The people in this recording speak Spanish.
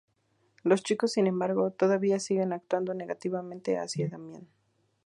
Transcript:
Los chicos sin embargo, todavía siguen actuando negativamente hacia Damien.